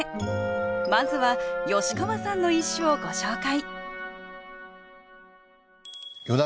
まずは吉川さんの一首をご紹介